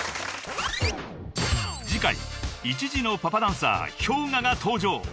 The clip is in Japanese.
［次回１児のパパダンサーＨｙＯｇＡが登場］